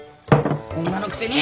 女のくせに！